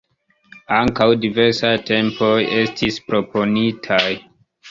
Ankaŭ diversaj tempoj estis proponitaj.